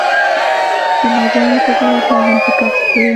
د مریانو تجارت لا هم په کش کې و.